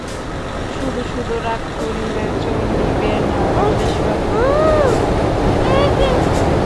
শুধু শুধু রাগ করিলে চলিবে না রমেশবাবু, কথাটা ভাবিয়া দেখিবেন।